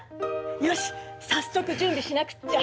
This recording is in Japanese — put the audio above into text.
よし早速準備しなくっちゃ。